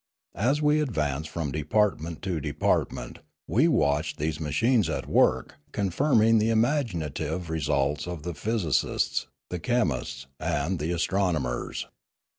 As we ad vanced from department to department we watched these machines at work confirming the imaginative re sults of the physicists, the chemists, and the astronom ers.